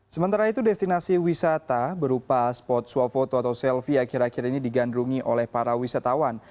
sementara itu destinasi wisata berupa spot swafoto atau selfie akhir akhir ini digandrungi oleh para wisatawan